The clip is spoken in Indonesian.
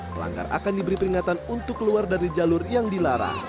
pelanggar akan diberi peringatan untuk keluar dari jalur yang dilarang